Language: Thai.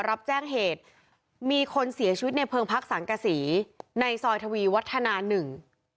รับแจ้งเหตุมีคนเสียชีวิตในเพิงพักสังกษีในซอยทวีวัฒนาหนึ่ง